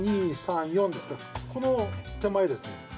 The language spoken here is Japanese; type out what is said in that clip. この手前ですね。